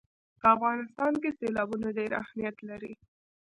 په افغانستان کې سیلابونه ډېر اهمیت لري.